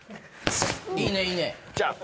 いいねいいね。